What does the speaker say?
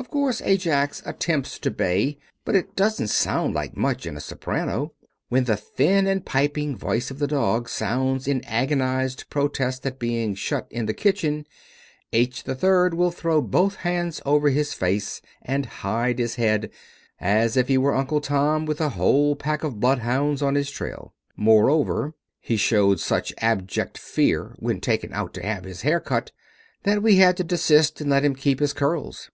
Of course, Ajax attempts to bay, but it doesn't sound like much in a soprano. When the thin and piping voice of the dog sounds in agonized protest at being shut in the kitchen H. 3rd will throw both hands over his face and hide his head, as if he were Uncle Tom with a whole pack of bloodhounds on his trail. Moreover, he showed such abject fear when taken out to have his hair cut that we had to desist and let him keep his curls.